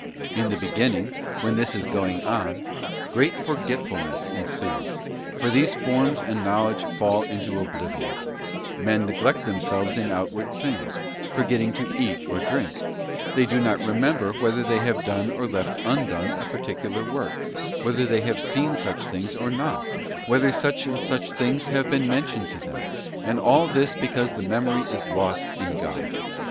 In the beginning, when this is going on, great forgetfulness ensues, for these forms and knowledge fall into oblivion, men neglect themselves in outward things, forgetting to eat or drink; they do not remember whether they have done or left undone a particular work, whether they have seen such things or not, or whether such and such things have been mentioned to them; and all this because the Memory is lost GRACE PERFECTS NATURE. 209. in God.